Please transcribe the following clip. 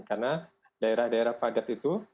karena daerah daerah padat itu